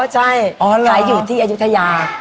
ใช่ขายอยู่ที่อายุทยา